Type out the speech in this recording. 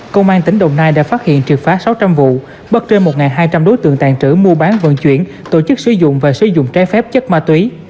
công an tỉnh đồng nai đã phát hiện triệt phá sáu trăm linh vụ bắt trên một hai trăm linh đối tượng tàn trữ mua bán vận chuyển tổ chức sử dụng và sử dụng trái phép chất ma túy